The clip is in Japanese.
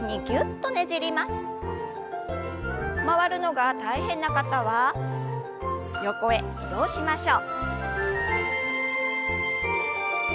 回るのが大変な方は横へ移動しましょう。